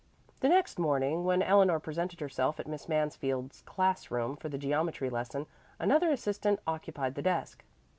The next morning when Eleanor presented herself at Miss Mansfield's class room for the geometry lesson, another assistant occupied the desk.